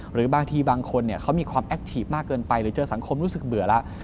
หรือบางทีบางคนเขามีความแอคทีฟมากเกินไปหรือเจอสังคมรู้สึกเบื่อแล้ว